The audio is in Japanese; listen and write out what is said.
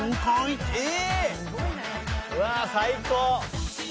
うわ最高！